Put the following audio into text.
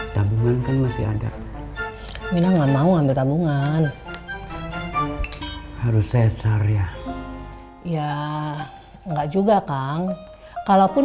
tabungan kan masih ada mina enggak mau ambil tabungan harus cesar ya ya enggak juga kan kalaupun